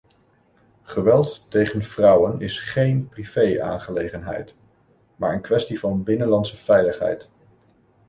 Geweld tegen vrouwen is geen privéaangelegenheid, maar een kwestie van binnenlandse veiligheid.